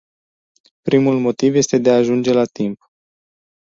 Primul motiv este de a ajunge la timp.